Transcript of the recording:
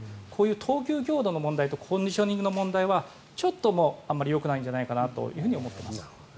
投球強度の問題とコンディショニングの問題はあまりよくないんじゃないかと思っています。